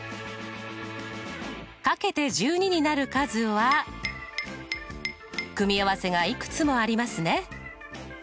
掛けて１２になる数は組み合わせがいくつもありますね。